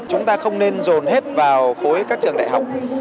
chúng ta không nên dồn hết vào khối các trường đại học